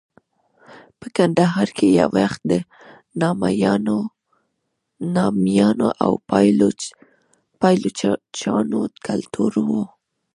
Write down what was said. په کندهار کې یو وخت د نامیانو او پایلوچانو کلتور و.